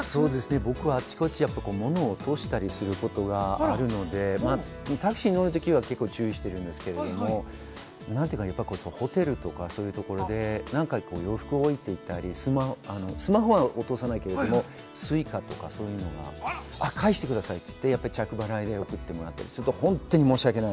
僕はあちこち物を落としたりすることがあるので、タクシーに乗る時は結構注意しているんですけど、ホテルとかそういうところで、洋服を置いていったり、スマホは落とさないけど、Ｓｕｉｃａとか、そういうのが返してくださいって言って着払いで送ってもらったり、本当に申しわけない。